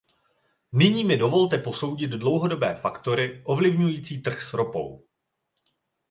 Nyní mi dovolte posoudit dlouhodobé faktory ovlivňující trh s ropou.